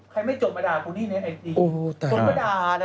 ใครไม่จบมาด่าครูนี้ในไอดี